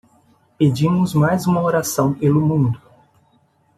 Pedimos mais uma oração pelo mundo